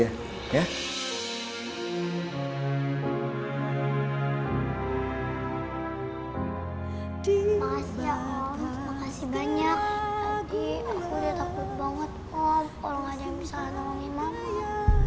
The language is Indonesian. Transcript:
makasih ya om makasih banyak